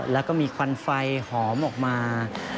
แล้วก็มีควันไฟหอมออกมา